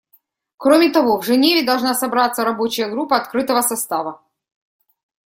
Кроме того, в Женеве должна собраться рабочая группа открытого состава.